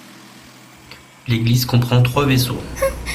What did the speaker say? L'église comprend trois vaisseaux.